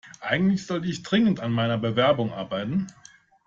Eigentlich sollte ich dringend an meiner Bewerbung arbeiten.